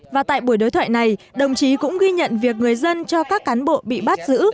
và tại buổi đối thoại này đồng chí cũng ghi nhận việc người dân cho các cán bộ bị bắt giữ